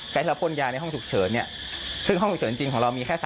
การห้องชุบเฉินเนี่ยซึ่งห้องเฉินจริงของเรามีแค่